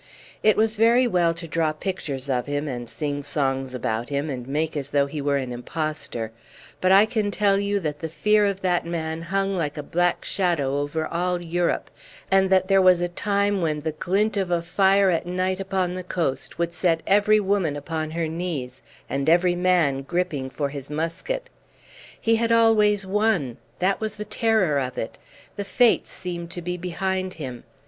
It was very well to draw pictures of him, and sing songs about him, and make as though he were an impostor; but I can tell you that the fear of that man hung like a black shadow over all Europe, and that there was a time when the glint of a fire at night upon the coast would set every woman upon her knees and every man gripping for his musket. He had always won: that was the terror of it. The Fates seemed to be behind him.